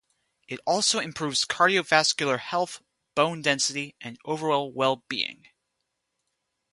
It also improves cardiovascular health, bone density, and overall well-being.